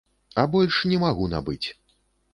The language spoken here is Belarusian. А больш не магу набыць.